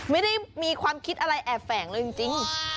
ไม่ได้มีความคิดอะไรแอบแฝงเลยจริง